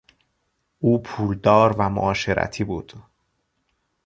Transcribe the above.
او پولدار و معاشرتی بود.